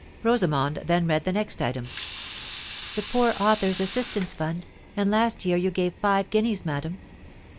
Rosamond then read the next item. "The Poor Authors' Assistance Fund; and last year you gave five guineas, madam."